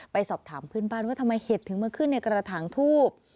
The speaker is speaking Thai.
ไปสอบถามเพื่อนบ้านว่าทำไมเห็ดถึงมาขึ้นในกระถางทูบ